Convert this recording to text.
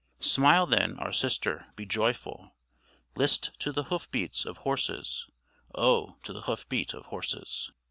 "Smile then, our sister, be joyful; List to the hoof beat of horses; Oh! to the hoof beat of horses."